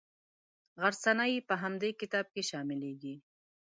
غرڅنۍ په همدې مکتب کې شاملیږي.